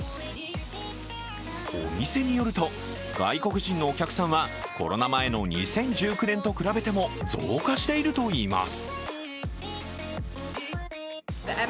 お店によると、外国人のお客さんはコロナ前の２０１９年と比べても増加しているといいます。